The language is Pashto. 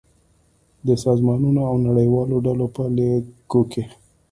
د سازمانونو او نړیوالو ډلو په ليکو کې